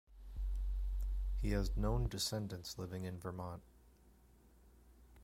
He has known descendants living in Vermont.